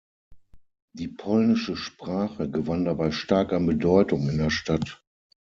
Die polnische Sprache gewann dabei stark an Bedeutung in der Stadt.